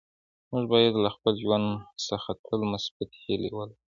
موږ باید له خپل ژوند څخه تل مثبتې هیلې ولرو.